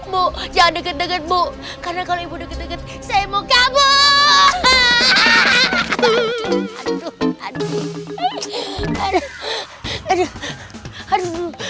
bu jangan deket deket bu karena kalau ibu deket deket saya mau kabur